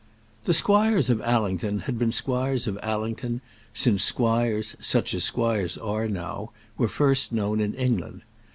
The squires of Allington had been squires of Allington since squires, such as squires are now, were first known in England.